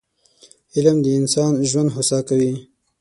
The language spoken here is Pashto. علم د انسان ژوند هوسا کوي